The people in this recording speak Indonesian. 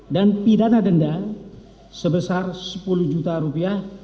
dan pidana denda sebesar sepuluh juta rupiah